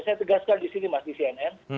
saya tegaskan di sini mas di cnn